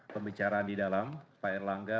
pembicaraan di dalam pak erlangga